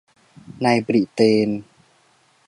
ในบริเตน